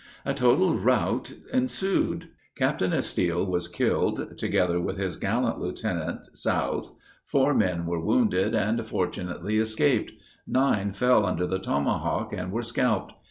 A total route ensued. Captain Estill was killed together with his gallant lieutenant, South. Four men were wounded and fortunately escaped. Nine fell under the tomahawk, and were scalped.